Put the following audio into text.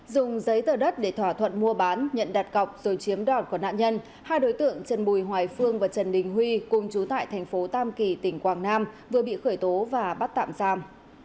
dùng giấy tờ đất để thỏa thuận mua bán nhận đặt cọc rồi chiếm đọt của nạn nhân hai đối tượng trần bùi hoài phương và trần đình huy cùng chú tại thành phố tam kỳ tỉnh quảng nam vừa bị khởi tố và bắt tạm giam